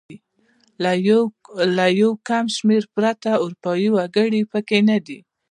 له یو کم شمېر پرته اروپايي وګړي پکې نه دي.